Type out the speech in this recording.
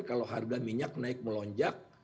kalau harga minyak naik melonjak